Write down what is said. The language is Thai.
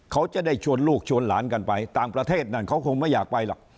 เขาจะได้ชวนลูกชวนหลานกันไปต่างประเทศนั่นเขาคงไม่อยากไปหรอก